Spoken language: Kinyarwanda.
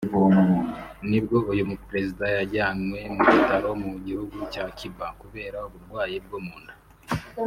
nibwo uyu muperezida yajyanwe mu bitaro mu gihugu cya Cuba kubera uburwayi bwo mu nda